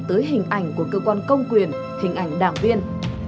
tới hình ảnh của cơ quan công quyền hình ảnh đảng viên